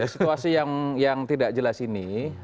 situasi yang tidak jelas ini